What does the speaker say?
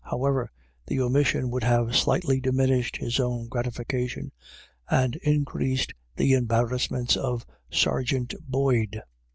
How ever, the omission would have slightly diminished his own gratification, and increased the embarrass ments of Sergeant Boyd.